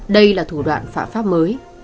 đây là thủ đoạn phạm pháp mới